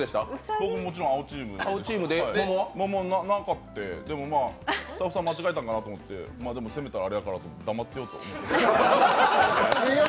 僕はもちろん青チームで、桃、なかってでもスタッフさん間違えたのかなと思ってでも責めたら、あれやから黙ってようと思って。